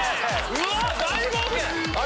うわっ大冒険！